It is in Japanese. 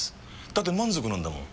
だって満足なんだもん。